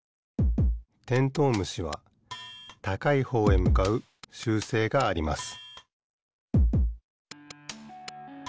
テントウムシはたかいほうへむかうしゅうせいがあります